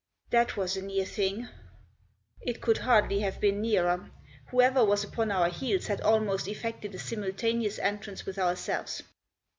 " That was a near thing !" It could hardly have been nearer. Whoever was upon our heels had almost effected a simultaneous entrance with ourselves.